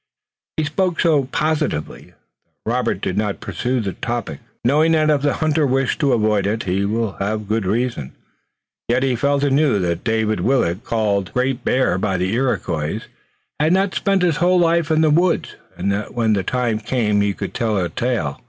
He spoke so positively that Robert did not pursue the topic, knowing that if the hunter wished to avoid it he had good reasons. Yet he felt anew that David Willet, called the Great Bear by the Iroquois, had not spent his whole life in the woods and that when the time came he could tell a tale.